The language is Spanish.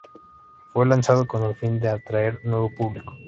Fue lanzado con el fin de atraer nuevo público.